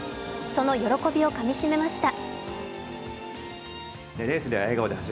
その喜びをかみしめました。